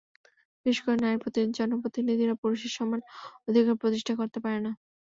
বিশেষ করে নারী জনপ্রতিনিধিরা পুরুষের সমান অধিকার প্রতিষ্ঠা করতে পারেন না।